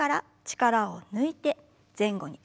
力を抜いて前後に。